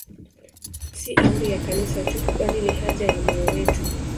Si amri ya Kanisa tu, bali ni haja ya moyo wetu.